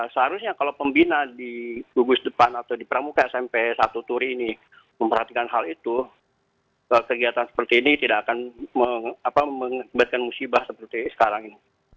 seharusnya kalau pembina di gugus depan atau di pramuka smp satu turi ini memperhatikan hal itu kegiatan seperti ini tidak akan mengakibatkan musibah seperti sekarang ini